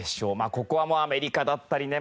ここはもうアメリカだったりね